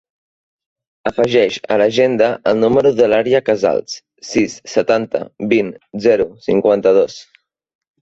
Afegeix a l'agenda el número de l'Arya Casal: sis, setanta, vint, zero, cinquanta-dos.